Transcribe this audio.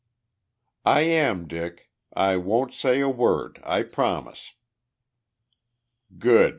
"I am, Dick. I won't say a word. I promise!" "Good!